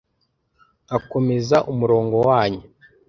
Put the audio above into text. nkakomeza umurongo wanyu